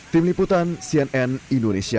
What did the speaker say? tim liputan cnn indonesia